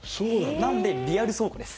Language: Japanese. なのでリアル倉庫です。